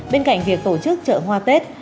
bên cạnh việc tổ chức chợ hoa tết